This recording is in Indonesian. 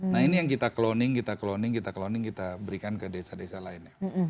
nah ini yang kita cloning kita cloning kita cloning kita berikan ke desa desa lainnya